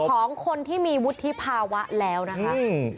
ของคนที่มีวุฒิภาวะแล้วนะคะอืม